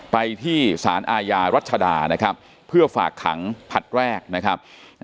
ไปที่สารอาญารัชดานะครับเพื่อฝากขังผลัดแรกนะครับ